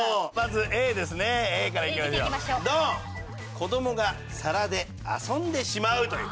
「子どもが皿で遊んでしまう」という。